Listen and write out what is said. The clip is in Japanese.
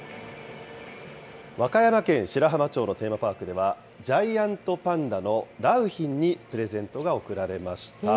和歌山県白浜町のテーマパークでは、ジャイアントパンダの良浜にプレゼントが贈られました。